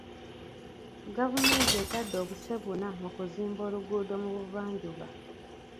Gavumenti etadde obuse buna mu kuzimba oluguudo mu buvanjuba.